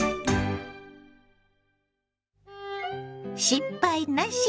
「失敗なし！